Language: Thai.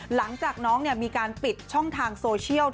หลังจากน้องมีการปิดช่องทางโซเชียล